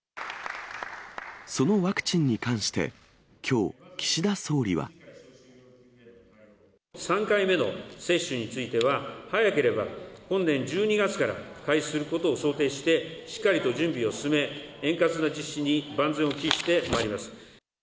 そのワクチンに関して、３回目の接種については、早ければ本年１２月から開始することを想定して、しっかりと準備を進め、円滑な実施に万全を期してまいります。